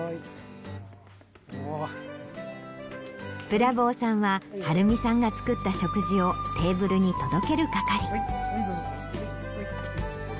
ブラボーさんは張美さんが作った食事をテーブルに届ける係。